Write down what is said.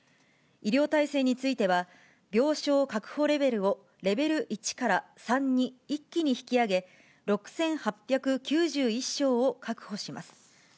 医療体制については、病床確保レベルをレベル１から３に一気に引き上げ、６８９１床を確保します。